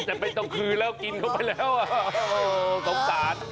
แต่ไปตระกืนแล้วกินเขาไปแล้วโต่งสาญ